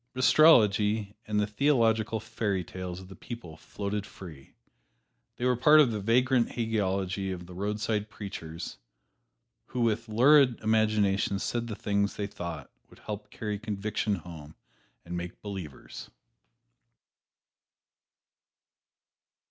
But astrology and the theological fairy tales of the people floated free. They were a part of the vagrant hagiology of the roadside preachers, who with lurid imaginations said the things they thought would help carry conviction home and make "believers."